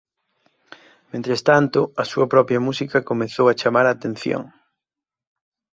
Mentres tanto a súa propia música comezou a chamar a atención.